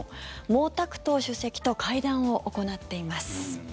毛沢東主席と会談を行っています。